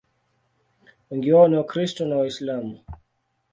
Wengi wao ni Wakristo na Waislamu.